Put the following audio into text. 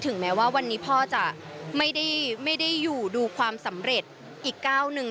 แม้ว่าวันนี้พ่อจะไม่ได้อยู่ดูความสำเร็จอีกก้าวหนึ่ง